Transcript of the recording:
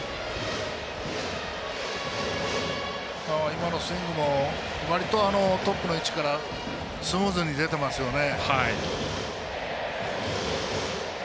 今のスイングもわりとトップの位置からスムーズに出てますよね。